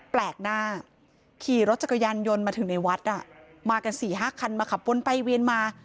แปลกหน้าขี่รถจักรยานยนต์มาถึงในวัดมากัน๔๕คันมาขับวนไปเวียนมา